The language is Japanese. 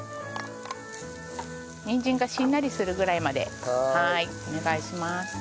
にんじんがしんなりするぐらいまでお願いします。